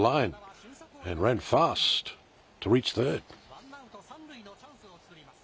ワンアウト３塁のチャンスを作ります。